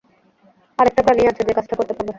আর একটা প্রাণীই আছে, যে কাজটা করতে পারবে।